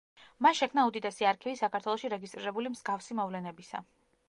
მან შექმნა უდიდესი არქივი საქართველოში რეგისტრირებული მსგავსი მოვლენებისა.